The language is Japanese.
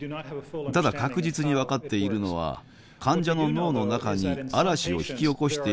ただ確実に分かっているのは患者の脳の中に嵐を引き起こしている部分があるということです。